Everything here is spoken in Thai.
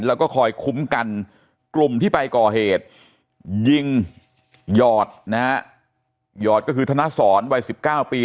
แล้วก็คอยคุ้มกันกลุ่มที่ไปก่อเหตุยิงหยอดนะฮะหยอดก็คือธนสรวัย๑๙ปี